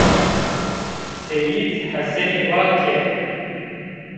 Seyîd Hesenî va ke